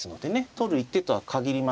取る一手とは限りません。